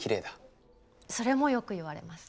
それもよく言われます。